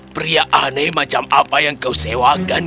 pria aneh macam apa yang kau sewakan